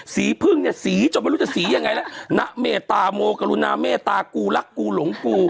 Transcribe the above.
พึ่งเนี่ยสีจนไม่รู้จะสียังไงแล้วณเมตตาโมกรุณาเมตตากูรักกูหลงกู